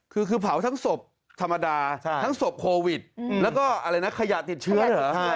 คือคือเผาทั้งศพธรรมดาทั้งศพโควิดแล้วก็อะไรนะขยะติดเชื้อเหรอ